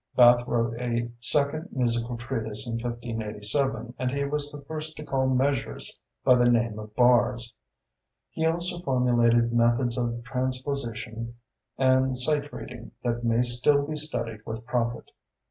Bathe wrote a second musical treatise in 1587, and he was the first to call measures by the name of bars. He also formulated methods of transposition and sight reading that may still be studied with profit.